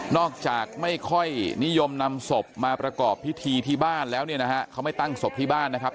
จากไม่ค่อยนิยมนำศพมาประกอบพิธีที่บ้านแล้วเนี่ยนะฮะเขาไม่ตั้งศพที่บ้านนะครับ